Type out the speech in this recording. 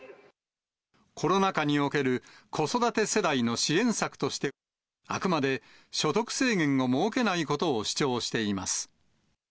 コロナ禍における子育て世代の支援策として、あくまで所得制限を設けないことを主張しています。